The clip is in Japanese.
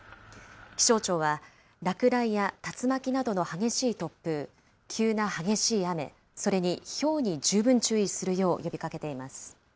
気象庁は落雷や竜巻などの激しい突風、急な激しい雨、それにひょうに十分注意するよう呼びかけています。